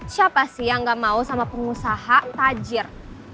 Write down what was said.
siapa sih yang gak mau sama pengusaha tajir